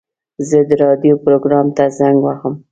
زه د راډیو پروګرام ته زنګ وهم.